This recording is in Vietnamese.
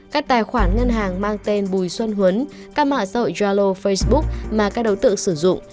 các tài khoản ngân hàng mang tên bùi xuân huấn các mạ sợi jalo facebook mà các đối tượng sử dụng